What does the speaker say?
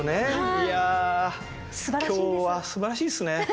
いやぁ今日はすばらしいっすね。